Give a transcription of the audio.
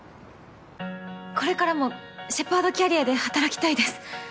これからもシェパードキャリアで働きたいです。